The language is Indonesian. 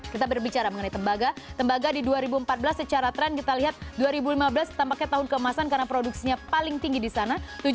kita berbicara mengenai tembaga tembaga di dua ribu empat belas secara tren kita lihat dua ribu lima belas tampaknya tahun keemasan karena produksinya paling tinggi di sana